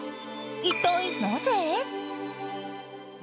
一体なぜ？